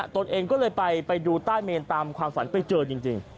ตัวเองก็เลยไปดูใต้เมนตามความฝันไปเจอจริง